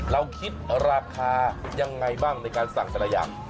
เราคิดราคายังไงบ้างในการสั่งแต่ละอย่าง